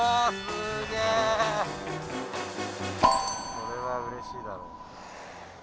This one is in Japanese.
これはうれしいだろう。